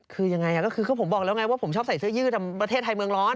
คือยังไงก็คือผมบอกแล้วไงว่าผมชอบใส่เสื้อยืดประเทศไทยเมืองร้อน